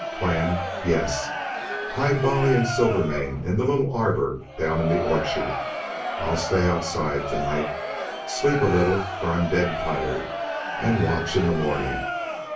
"Plan? Yes. Hide Bolly and Silvermane in the little arbor down in the orchard. I'll stay outside to night, sleep a little for I'm dead tired and watch in the morning.